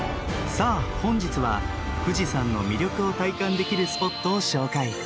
さあ本日は富士山の魅力を体感できるスポットを紹介。